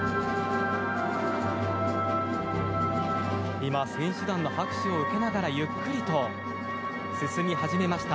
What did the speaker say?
今、選手団の拍手を受けながらゆっくりと進み始めました。